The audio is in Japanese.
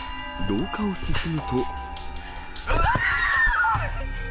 廊下を進むと。